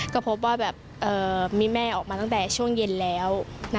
ก็พบว่ามีแม่ออกมาตั้งแต่ช่วงเย็นแล้ว